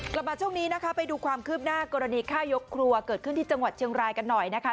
กลับมาช่วงนี้นะคะไปดูความคืบหน้ากรณีฆ่ายกครัวเกิดขึ้นที่จังหวัดเชียงรายกันหน่อยนะคะ